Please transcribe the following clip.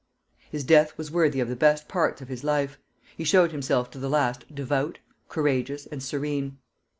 His death was worthy of the best parts of his life; he showed himself to the last devout, courageous, and serene.